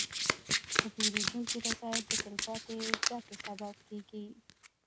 د پیرودونکي رضایت د تلپاتې ګټې سبب کېږي.